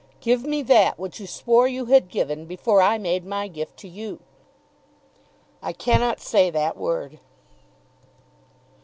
Give me that which you swore you had given before I made my gift to you." "I cannot say that word."